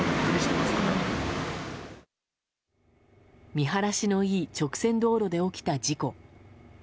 見晴らしのいい直線道路で起きた事故。